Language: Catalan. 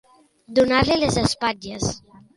Donar-li les espatlles.